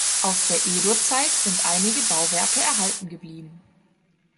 Aus der Edo-Zeit sind einige Bauwerke erhalten geblieben.